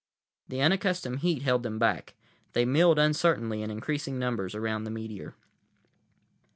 The unaccustomed heat held them back. They milled uncertainly, in increasing numbers, around the meteor.